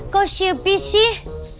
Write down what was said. kok siapa sih